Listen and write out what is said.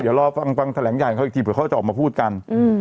เดี๋ยวรอฟังแถลงเขาอีกทีเผื่อเขาจะออกมาพูดกัน